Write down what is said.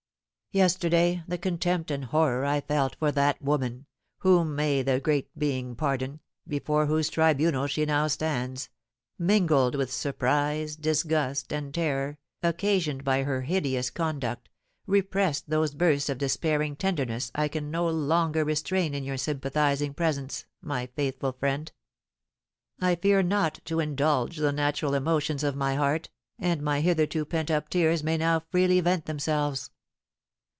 "Yesterday the contempt and horror I felt for that woman, whom may the Great Being pardon, before whose tribunal she now stands, mingled with surprise, disgust, and terror, occasioned by her hideous conduct, repressed those bursts of despairing tenderness I can no longer restrain in your sympathising presence, my faithful friend. I fear not to indulge the natural emotions of my heart, and my hitherto pent up tears may now freely vent themselves.